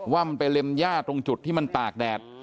ว่ามันไปเล็มย่าตรงจุดที่มันตากแดด